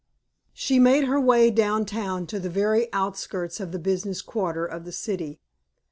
She made her way down town to the very outskirts of the business quarter of the city.